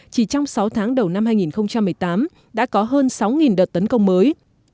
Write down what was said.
chỉ trong sáu tháng đầu năm hai nghìn một mươi tám đã có hơn sáu đợt tấn công mới